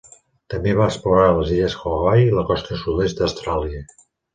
També va explorar les illes Hawaii i la costa sud-oest d'Austràlia.